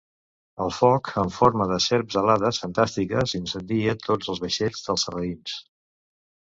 El foc en forma de serps alades fantàstiques incendia tots els vaixells dels sarraïns.